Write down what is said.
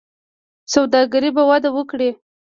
سوداګري به وده وکړي.